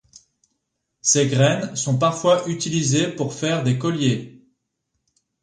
Ses graines sont parfois utilisées pour faire des colliers.